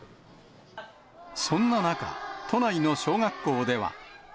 そんな中、都内の小学校では。